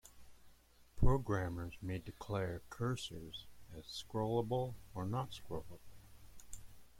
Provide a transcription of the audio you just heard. Programmers may declare cursors as scrollable or not scrollable.